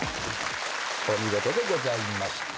お見事でございました。